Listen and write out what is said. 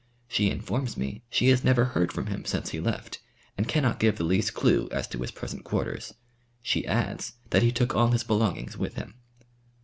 She informs me she has never heard from him since he left, and cannot give the least clue as to his present quarters. She adds that he took all his belongings with him.